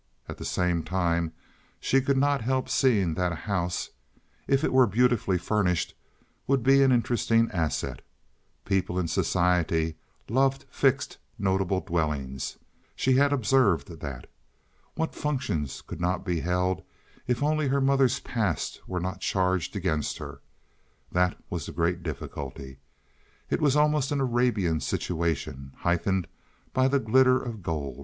At the same time she could not help seeing that a house, if it were beautifully furnished, would be an interesting asset. People in society loved fixed, notable dwellings; she had observed that. What functions could not be held if only her mother's past were not charged against her! That was the great difficulty. It was almost an Arabian situation, heightened by the glitter of gold.